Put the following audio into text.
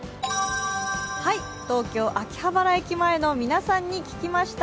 東京・秋葉原駅前の皆さんに聞きました。